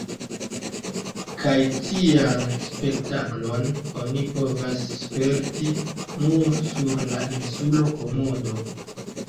Kaj tian spektaklon oni povas sperti nur sur la insulo Komodo.